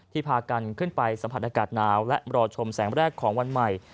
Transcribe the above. พากันขึ้นไปสัมผัสอากาศหนาวและรอชมแสงแรกของวันใหม่